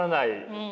うん。